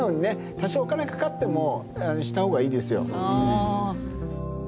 多少お金かかってもした方がいいですよ。